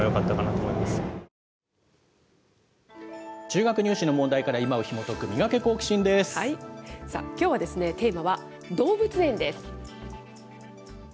中学入試の問題から今をひもとく、さあ、きょうはテーマは動物園です。